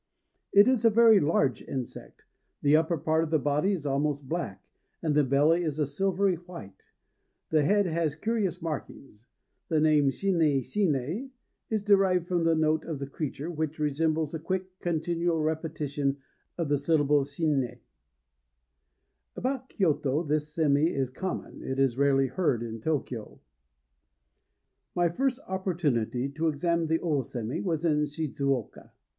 It is a very large insect. The upper part of the body is almost black, and the belly a silvery white; the head has curious red markings. The name shinné shinné is derived from the note of the creature, which resembles a quick continual repetition of the syllables shinné. About Kyôto this sémi is common: it is rarely heard in Tôkyô. [My first opportunity to examine an ô sémi was in Shidzuoka.